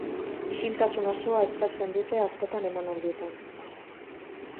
Isiltasun osoa eskatzen dute askotan emanaldietan.